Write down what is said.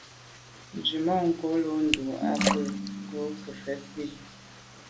Nzwi tswemanko’ lo’ ndu i nke ngo’ ngefet yi.